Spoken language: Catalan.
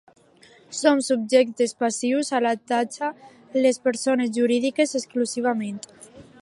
Són subjectes passius de la taxa les persones jurídiques exclusivament.